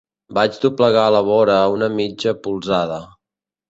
Vaig doblegar la vora una mitja polzada.